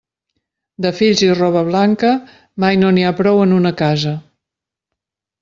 De fills i roba blanca, mai no n'hi ha prou en una casa.